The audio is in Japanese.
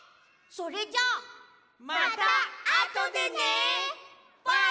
それじゃあ。